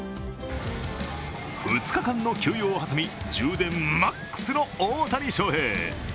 ２日間の休養を挟み充電マックスの大谷翔平。